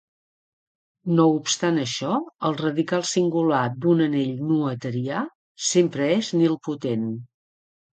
No obstant això, el radical singular d'un anell noetherià sempre és nilpotent.